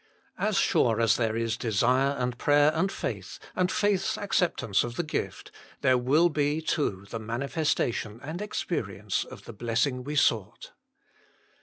As sure as there is desire and prayer and faith, and faith s acceptance of the gift, there will be, too, the manifestation and experience of the blessing we sought.